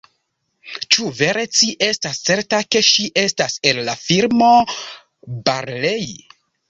Ĉu vere ci estas certa, ke ŝi estas el la firmo Barlei?